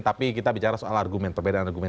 tapi kita bicara soal argumen perbedaan argumen